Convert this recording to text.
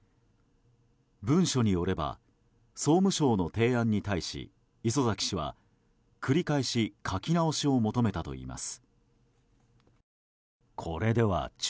文書によれば総務省の提案に対し礒崎氏は、繰り返し書き直しを求めたといいます。